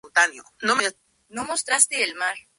Se criaba ganado de lana y había caza de perdices y liebres.